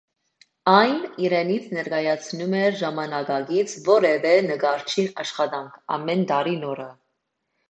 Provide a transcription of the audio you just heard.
Այն իրենից ներկայացնում էր ժամանակակից որևէ նկարչի աշխատանք (ամեն տարի նորը)։